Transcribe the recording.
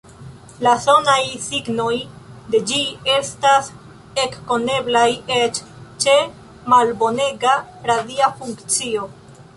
La sonaj signoj de ĝi estas ekkoneblaj eĉ ĉe malbonega radia funkcio.